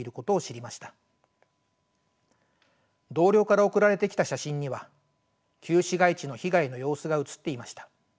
同僚から送られてきた写真には旧市街地の被害の様子が写っていました。